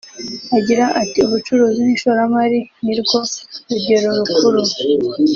Agira ati “Ubucuruzi n’Ishoramari ni rwo rugero rukuru